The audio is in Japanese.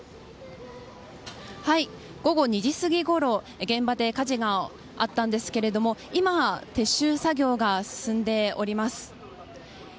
午後２時過ぎごろ現場で火事があったんですけども今、撤収作業が進んでおります。